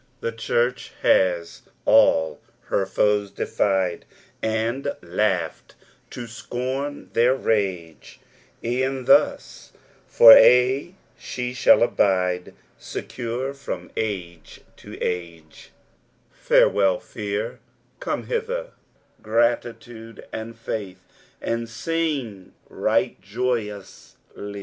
" The cbarch has all ber foes deOed ' And lauglKd to loom Ihuir rage ; B'cn ttaiu lor aje nbo sball abide Secure from age to ige." Farewell, fear. Come hither, graitude and faith, and uog dght joyously.